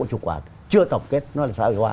chủ quản chưa tổng kết nó là sợi hóa